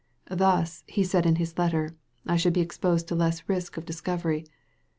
Thus, he said in his letter, I should be exposed to less risk of discovery.